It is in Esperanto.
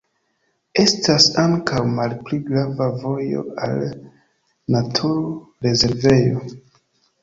Estas ankaŭ malpli grava vojo al naturrezervejo.